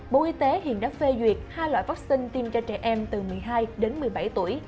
bộ y tế hiện đã phê duyệt hai loại vaccine tiêm cho trẻ em từ một mươi hai đến một mươi bảy tuổi